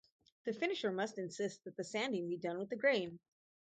The finisher must insist that the sanding be done with the grain.